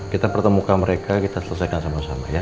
kita pertemukan mereka kita selesaikan sama sama ya